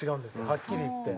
はっきり言って。